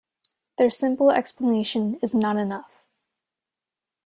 Their simple explanation is not enough.